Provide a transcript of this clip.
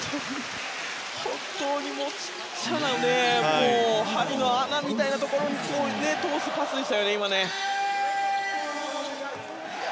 本当にちっちゃな針の穴みたいなところに通すパスでした。